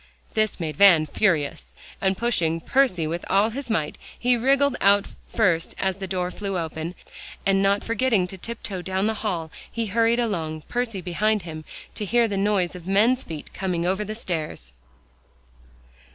This made Van furious, and pushing Percy with all his might, he wriggled out first as the door flew open, and not forgetting to tiptoe down the hall, he hurried along, Percy behind him, to hear the noise of men's feet coming over the stairs.